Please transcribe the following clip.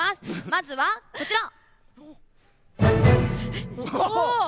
まずは、こちら！